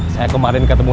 saya kemarin ketemu